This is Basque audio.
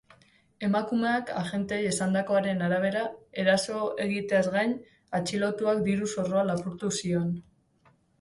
Emakumeak agenteei esandakoaren arabera, eraso egiteaz gain, atxilotuak diru-zorroa lapurtu zion.